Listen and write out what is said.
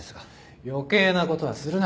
余計なことはするな。